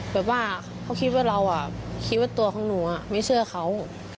แบบว่าเขาคิดว่าเราคิดว่าตัวของหนูไม่เชื่อเขา